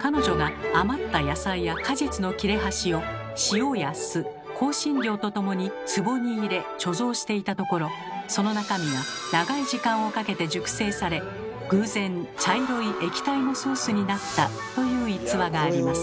彼女が余った野菜や果実の切れ端を塩や酢香辛料と共につぼに入れ貯蔵していたところその中身が長い時間をかけて熟成され偶然茶色い液体のソースになったという逸話があります。